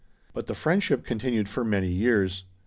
But the friendship continued for many years.